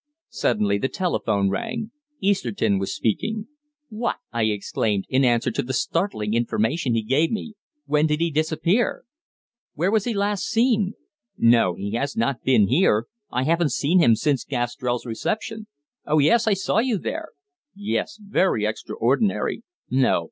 Suddenly the telephone rang. Easterton was speaking. "What!" I exclaimed, in answer to the startling information he gave me. "When did he disappear?" "Where was he last seen?" "No, he has not been here. I haven't seen him since Gastrell's reception." "Oh, yes, I saw you there." "Yes, very extraordinary." "No."